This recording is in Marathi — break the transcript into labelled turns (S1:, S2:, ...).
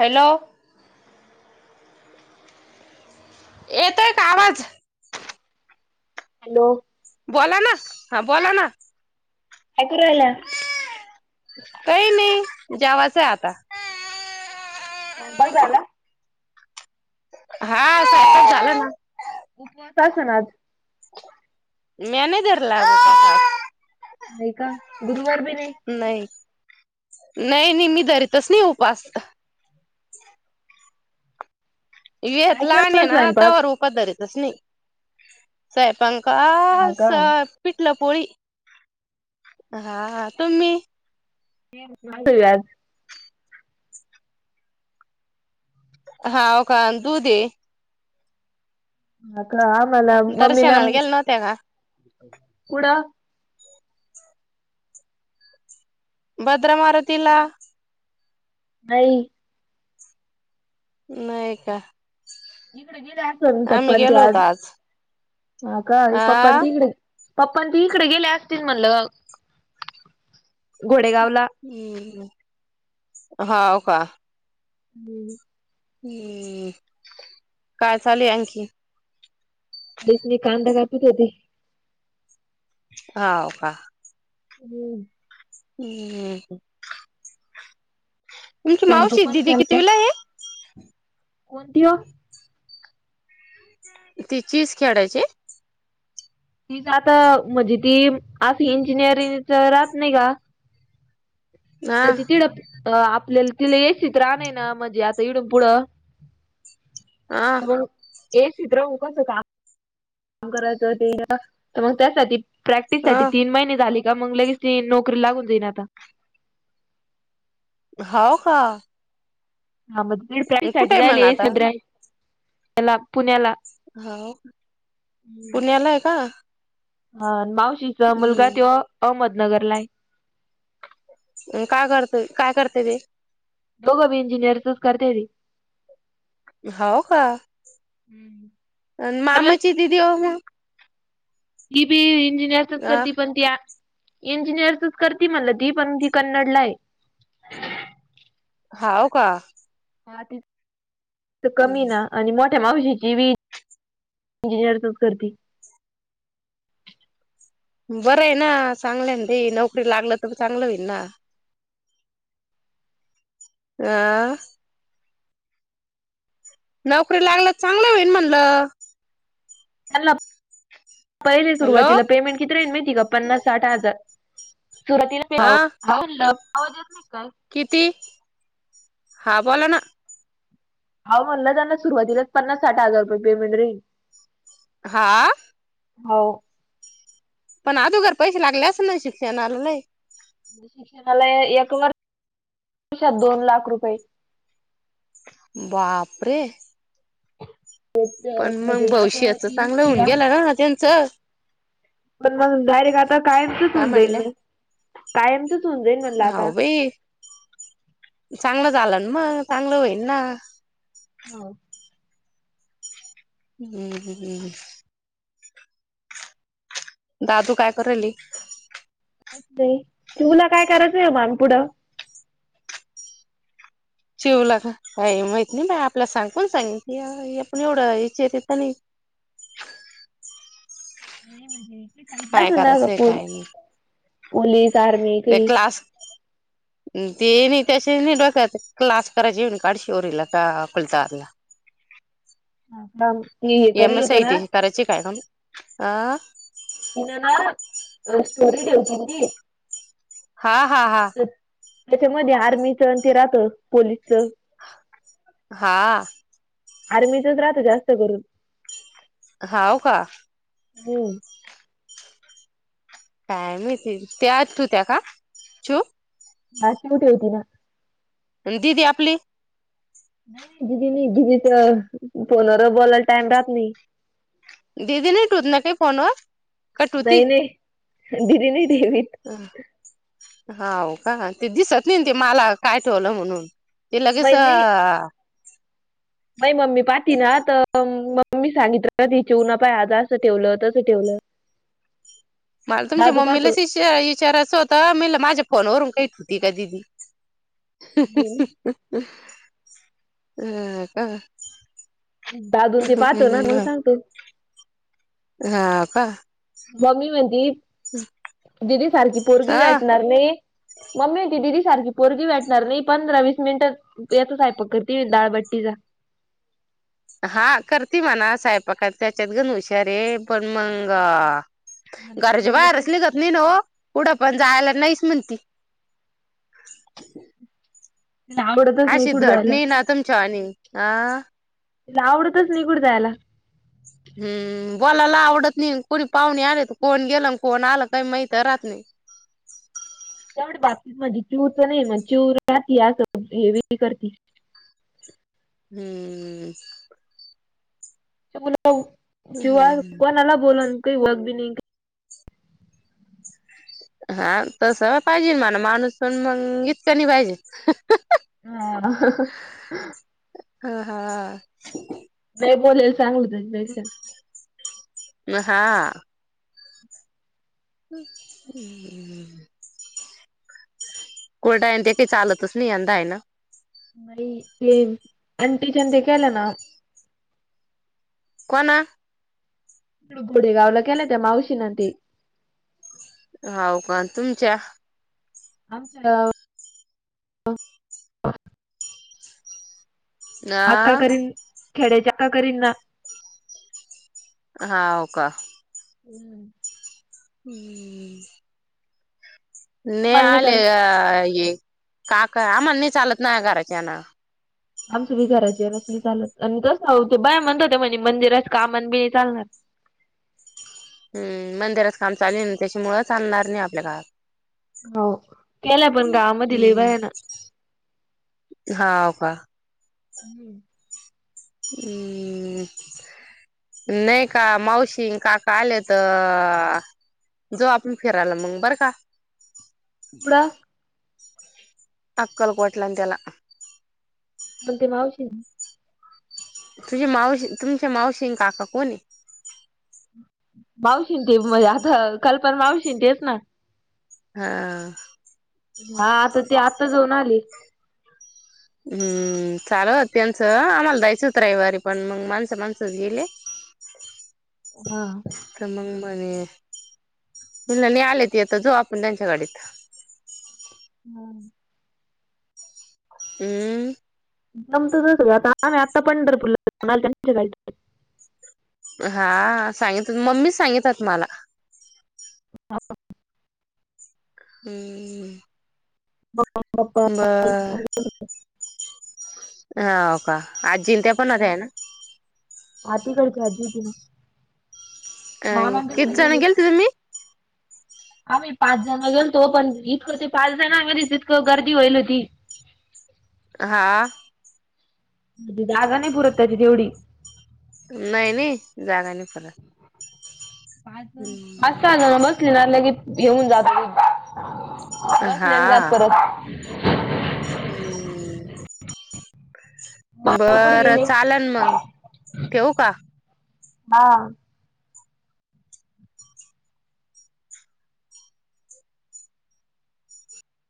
S1: हॅलो येतोय का आवाज?
S2: हॅलो
S1: बोला ना, हा बोला ना.
S2: काय करू राहिला?
S1: काई नाई जेवाच आता.
S2: स्वयंपाक झाला.
S1: हा सायपाक झालं ना.
S2: उपवास अस न आज?
S1: म्या नाई धरला आज उपवास आज.
S2: आहे का, गुरुवार बी नाई?
S1: नाई नाई नाई मी धरीतच नाही उपास. वेद
S2: काय
S1: लहान हे
S2: केला
S1: ना
S2: स्वयंपाक
S1: तवर उपास धरीतच नाही.
S2: हा का
S1: [unintelligible] पिठलं पोळी हा हा तुम्ही
S2: [unintelligible]
S1: हाव का अन् दुध हे.
S2: अकरा हा मला
S1: दर्शनाला गेले नव्हते का
S2: पुढ
S1: भद्र मारुतीला
S2: नाई
S1: नाहीय का
S2: पपा
S1: आम्ही
S2: अनी ति
S1: गेलो
S2: आज
S1: होतो
S2: हो का पपान
S1: आ
S2: ती इकड पप्प ती इकडे गेले असतील म्हणलं घोडेगावला
S1: हम्म हा हो का
S2: हम्म
S1: हम्म काय चालू आणखी
S2: त्यास्नी कांदा कापून देते
S1: हा ओ का
S2: हम्म
S1: ह् तुमची मावशी
S2: कोण
S1: दिदी
S2: केला
S1: कितविला आहे हे
S2: कोणती ओ
S1: तीचीस खेदायेची
S2: तीच आता म्हणजी ती आज इंजिनिअरिंगच राहत नाही गा
S1: हा
S2: तर त तिडं आपल्याला तिला यायची तर राहण ना म्हणजे आता इडून पुढं
S1: हा
S2: मग एसीत येऊन बसल ना करायं मग त्यासाठी प्रॅक्टिस साठी
S1: ह
S2: तीन महिने झाली का मग लगेच ती नोकरी लागून जाईन आता
S1: हाव का
S2: हा मग प्री प्लांनिंग
S1: कुठे
S2: साठी
S1: आहे
S2: जावे
S1: मग आता
S2: लागेल ह्याला पुण्याला
S1: हाव पुण्याला आहे का
S2: हा मावशीचा मुलगा
S1: हम्म
S2: तो अहमदनगरला आहे
S1: काय करतोय काय करते ते
S2: दोघ बी इंजिनिरच करते ती
S1: हाव का
S2: म्हणलं
S1: मामाची दिदी हो म
S2: ती बी इंजिनिअरचच
S1: अ
S2: करते पण त्या इंजिनियरच करती म्हणलं ती पण ती कन्नडला आहे
S1: हाव का
S2: हा त कमी
S1: हम्म
S2: ना आणि मोठ्या मावशीची बी इंजिनिअरचच करती
S1: बरं आहे ना चांगलं आहे ना ते नोकरी लागल तर चांगलं होईल ना ना नोकरी लागल चांगलं होईल म्हणलं
S2: पहिले
S1: हॅलो
S2: सुरवातीला पेमेंट किती राहील माहिती का पन्नास साठ हजार सुरवातीला ते
S1: अ
S2: आवाज येत नाही काय
S1: किती हा बोला ना
S2: अवं म्हणलं त्यांना सुरवातीलाच पन्नास साठ हजार रुपये पेमेंट राहील
S1: हा
S2: हो
S1: पण अदोगर पैसे लागले असलना शिक्षणाला लई
S2: शिक्षणाला एक वर्षात दोन लाख रुपये
S1: बापरे. पण मग
S2: म्हणजे आता
S1: भविष्याच
S2: तीच
S1: चांगलं
S2: नाही
S1: होऊन
S2: का?
S1: गेल ना त्यांच.
S2: पण मग डायरेक्ट आता कायमचच
S1: काय
S2: होऊन जाईल ना, कायमचच होऊन जाई.
S1: हा बाई चांगलं झालं ना, मग चांगलं होईन ना.
S2: हो.
S1: हू. हू. हू. हू. दादू काय करले?
S2: नाही तुला काय करायचंय आहे [inaudible] बाळ पुढं
S1: जेवला का काय माहित नाही, बा आपल सांग कोण सांगितलं ते पण एवढं विचारत नाही. काय
S2: असल ना ग
S1: करायचंय
S2: [inaudible] पोल
S1: काय नाही
S2: पोलीस आर्मी काही
S1: आस. ते नाही. ती अशी नाही बसत क्लास करायची काडशिवरील आता पलसारला.
S2: [unintelligible] [inaudible]
S1: एम
S2: करेल
S1: एस सी
S2: होत
S1: आय टी
S2: ना
S1: करायची काय [inaudible] पण अ
S2: तिन ना, स्टोरी ठेवतील ती.
S1: हा, हा, हा.
S2: त्याच्यामध्ये आर्मीच अन् ते राहत पोलीसच
S1: हा.
S2: आर्मीचच राहत जास्त करून.
S1: हाव का?
S2: हू.
S1: काय माहिती त्या आत होत्या त्या का? चूप,
S2: आत [inaudible] मध्ये होती ना
S1: दीदी आपली.
S2: दीदी नाही. [inaudible] दिदीच फोनवरच बोलाय टाइम राहत नाही.
S1: दिदीन हे [inaudible] कोरल्या काय फोनवर. का ठुती
S2: नाही नाही दीदी नाहीते मीच.
S1: हाव का ते दिसत नाही न ते मला काय ठेवलं म्हणून. तिला कस
S2: मई मम्मी पाहती ना तर मम्मी सांगितलं ति चिऊना पाय आज असं ठेवलं. तसं ठेवलं.
S1: [unintelligible] [inaudible] मला तुमच्या
S2: दादू
S1: मम्मीलाच
S2: पाहतो
S1: विचा विचारायचं होतं मेल माझ्या फोनवरून काय ठेवती काय दिदी.
S2: नाही नाही
S1: [unintelligible] [inaudible] हा का
S2: दादून ते पाहतो ना मग सांगतो
S1: हा का?
S2: मम्मी म्हणती.
S1: ह [inaudible]
S2: दिदी सारखी पोरगी भेटणार नाही. मम्मी [inaudible] होती दिदी सारखी पोरगी भेटणार नाही पंधरा वीस मिनिटं. याता साय पक करतीडाळबट्टीचा.
S1: हा करती म्हणा साहेपाक त्याच्यात गण हुशारे [inaudible] पण मंग. घराच्या
S2: मम्मी ते
S1: बाहेरच निघत. नाही न [inaudible] पुढं पण जायला नाहीच म्हणती.
S2: हं. [inaudible]
S1: अशी धट नाही [inaudible] तुमच्या वाणी अ.
S2: तिला आवडतच नाही कुठ जायला.
S1: हम्म, बोलायला आवडत नाही, कोणी पाहुणे आले कोण गेलं कोण आलं काही माहत राहत नाही.
S2: तेवढं बाकीती माझी चिवच नाही मग चिव राहती असं हे करती.
S1: हम्म.
S2: चिवा कोणाला बोलून काही वघ बी नाही काय
S1: हा, तसं पाहिजे मला माणूस पण मंग इतकनी पाहिजे.
S2: हा.
S1: हा हा.
S2: नाही बोललेलं चांगलंच आहे.
S1: अ हा. हम्म्. कोलटा आहे ते काही चालतच नाही यंदा आहे ना.
S2: नाही, प अंटीच्या ते केलं ना.
S1: कोणा.
S2: गुड गुडे गावला केलाते मावशीन ती.
S1: होव का तुमच्या.
S2: आमच्या गाव अक्का
S1: अ
S2: करीन, खेडे्याच्या अक्का करीन ना.
S1: हा, हो का.
S2: हम्म.
S1: हम्म. नाही आले ये काका, आम्हाण नाही चालत नाही घराच्याना.
S2: आमच बी घराची अससली चालत आणि तसं ते बाया म्हणत होते म्हणे मंदिरात काम बी चालणार.
S1: हम्म, मंदिरात काम चालेल ना त्याच्यामुळ चालणार नाही आपल्या गावात.
S2: हो. केल्या पण गावामध्ये लय
S1: हम्
S2: बायान.
S1: हा का.
S2: हम्म
S1: हम्म. नाही का मावशी अन् काका आले त जो आपण फिरायला मंग बरं का.
S2: पुडा
S1: अक्कलकोटला अन् त्याला.
S2: पण ती मावशी
S1: तुझ्या मावशी, तुमच्या मावशी अन् काका कोणय.
S2: मावशीं ते म्ह आता कल्पण मावशी तेच ना.
S1: हा.
S2: हा, आता ते आत्ता जाऊन आली.
S1: हम्म, चाल त्यांचं आम्हाला जायचं होतं रविवारी पण मग माणसं माणसच गेले. [inaudible]
S2: हा.
S1: त मग म्हणे, तुला लय आले त आता जाऊ आपण त्यांच्या गाडीत.
S2: हं
S1: हम्म
S2: जमत कसं ग आम्ही आता पंढरपूरला [unintelligible]
S1: हा, सांगित मम्मी सांगित्यात मला.
S2: ह [unintelligible]
S1: हम्म,
S2: मम्मी पप्पा
S1: बर, हाव का, आजींन त्या पण होत्या आहेन.
S2: आती कडची आजी होतीन.
S1: अग किती जण
S2: गेले
S1: गेलते तुम्ही?
S2: आम्ही पाच जण गेलतो. पण इतकं ते टाच जण आम्ही रिजिट गर्दी होईल होती.
S1: हा,
S2: जागा नाही पुरत त्याची तेवढी.
S1: नाही नाही जागा नाही पुरत.
S2: हसताना बसली ना लगेच घेऊन जात. बसलेना जात परत
S1: हम्म्म,
S2: मामा कुठे
S1: बरं,
S2: गेले
S1: चालन मग ठेवू का?
S2: हा,